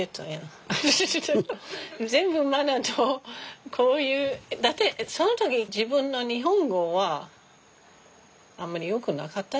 全部マナーとこういうだってその時自分の日本語はあんまりよくなかったでしょ？